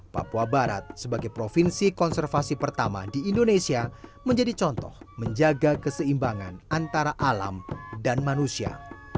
papua barat sebagai provinsi konservasi pertama di indonesia menjadi contoh menjaga keseimbangan antara alam dan manusia